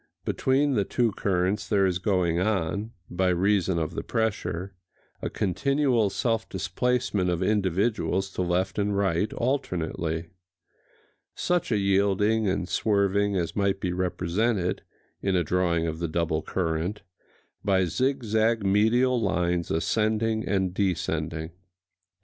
Between the two currents there is going on, by reason of the pressure, a continual self displacement of individuals to left and right, alternately,—such a yielding and swerving as might be represented, in a drawing of the double current, by zigzag medial lines ascending and descending.